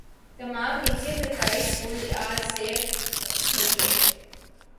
تمام نجی اور سرکاری اسکول آج سے کھل گئے